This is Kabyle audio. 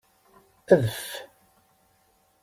Adf!